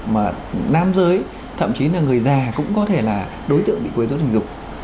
mà nam giới thậm chí là người già cũng có thể là đối tượng bị quấy dối tình dục